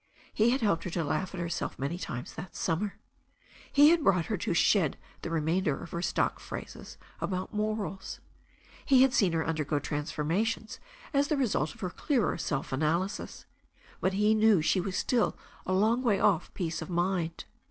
He had helped her to laugh at herself many times that summer. He had brought her to shed the remainder of her stock phrases about morals. He had seen her undergo transformations as the result of her clearer self analysis. But he knew she was still a long way off peace of mind.